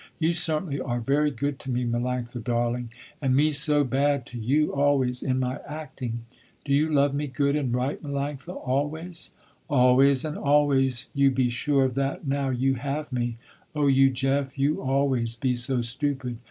"You certainly are very good to me, Melanctha, darling, and me so bad to you always, in my acting. Do you love me good, and right, Melanctha, always?" "Always and always, you be sure of that now you have me. Oh you Jeff, you always be so stupid."